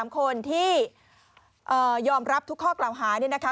๓คนที่ยอมรับทุกข้อกล่าวหาเนี่ยนะคะ